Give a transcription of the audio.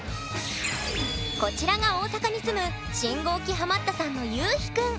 こちらが大阪に住む信号機ハマったさんのゆうひくん。